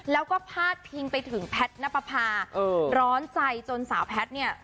แล้วก็พาดพิงไปถึงแพทย์นับประพาร้อนใจจนสาวแพทย์เนี่ย